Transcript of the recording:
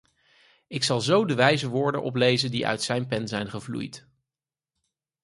Ik zal zo de wijze woorden oplezen die uit zijn pen zijn gevloeid.